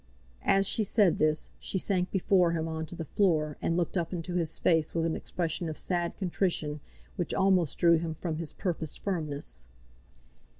As she said this, she sank before him on to the floor, and looked up into his face with an expression of sad contrition which almost drew him from his purposed firmness.